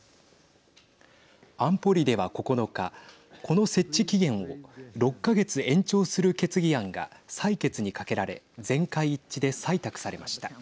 安保理では９日この設置期限を６か月延長する決議案が採決にかけられ全会一致で採択されました。